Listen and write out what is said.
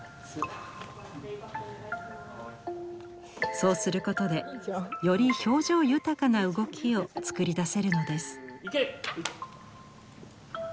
そうすることでより表情豊かな動きを作り出せるのです。